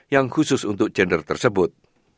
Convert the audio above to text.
yang khusus untuk gender tersebut